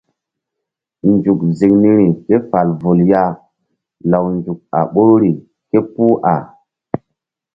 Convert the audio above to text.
Nzuk ziŋ niri ke fal vul ya law nzuk a ɓoruri képuh a.